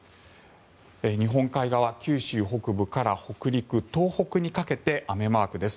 日本海側、九州北部から北陸東北にかけて雨マークです。